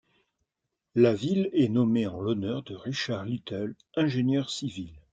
La ville est nommée en l'honneur de Richard Little, ingénieur civil.